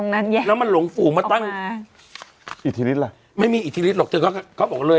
แล้วมันหลงฝูงมาตั้งอิทธิฤทธิ์ล่ะไม่มีอิทธิฤทธิ์หรอกเธอเขาเขาเขาบอกเลย